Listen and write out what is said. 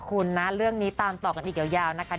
คุณนะเรื่องนี้ตามต่อกันอีกยาวนะคะ